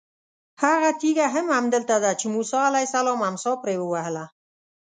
هغه تېږه هم همدلته ده چې موسی علیه السلام امسا پرې ووهله.